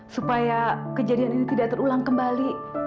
supaya kejadian ini tidak terulang kembali